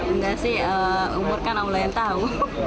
enggak sih umur kan allah yang tahu